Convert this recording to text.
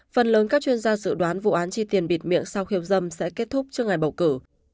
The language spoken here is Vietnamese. phần lớn các chuyên gia dự đoán vụ án chi tiền bịt miệng sau khiêu dâm sẽ kết thúc trước ngày bầu cử